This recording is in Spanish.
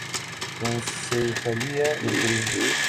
Concejalía de turismo.